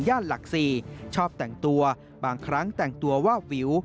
หลัก๔ชอบแต่งตัวบางครั้งแต่งตัววาบวิว